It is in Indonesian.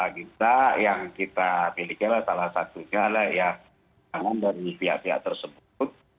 kita yang kita miliki salah satunya adalah yang dari pihak pihak tersebut